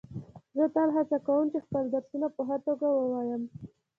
زه تل هڅه کوم چي خپل درسونه په ښه توګه ووایم.